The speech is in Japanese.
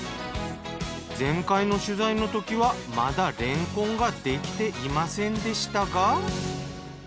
前回の取材のときはまだれんこんができていませんでしたが。